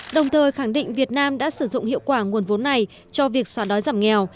đồng thời khẳng định việt nam đã sử dụng hiệu quả nguồn vốn này cho việc xóa đói giảm nghèo